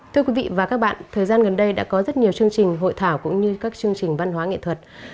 thưa quý vị và các bạn thời gian gần đây đã có rất nhiều chương trình hội thảo cũng như các chương trình văn hóa nghệ thuật